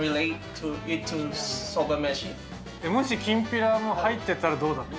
もし、きんぴらも入ってたらどうだった？